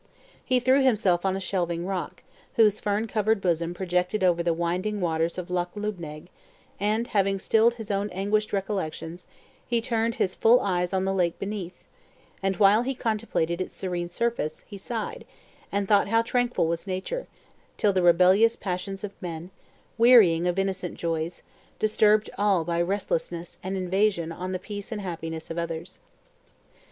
He threw himself on a shelving rock, whose fern covered bosom projected over the winding waters of Loch Lubnaig, and having stilled his own anguished recollections, he turned his full eyes on the lake beneath; and while he contemplated its serene surface, he sighed, and thought how tranquil was nature, till the rebellious passions of man, wearying of innocent joys, disturbed all by restlessness and invasion on the peace and happiness of others.